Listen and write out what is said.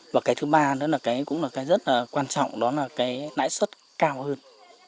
và cái thứ ba nữa là cái cũng là cái rất là quan trọng đó là cái nãi suất cao hơn